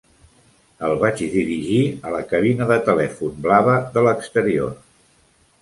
El vaig dirigir a la cabina de telèfon blava de l'exterior.